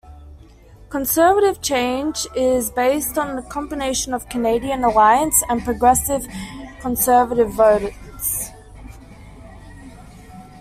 Conservative change is based on a combination of Canadian Alliance and Progressive Conservative votes.